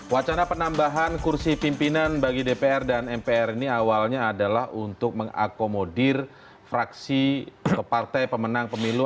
wacana penambahan kursi pimpinan bagi dpr dan mpr ini awalnya adalah untuk mengakomodir fraksi atau partai pemenang pemilu